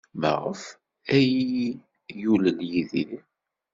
Maɣef ay iyi-yulel Yidir?